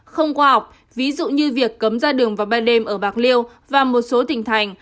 không qua học ví dụ như việc cấm ra đường vào ban đêm ở bạc liêu và một số tỉnh thành